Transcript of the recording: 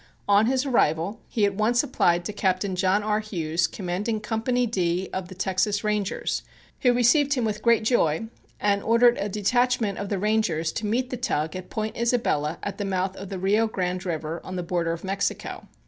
On his arrival, he at once applied to Captain John R. Hughes, commanding Company D of the Texas Rangers, who received him with great joy and ordered a detachment of the Rangers to meet the tug at Point Isabella at the mouth of the Rio Grande River on the border of Mexico.